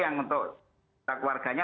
yang untuk keluarganya